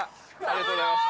ありがとうございます。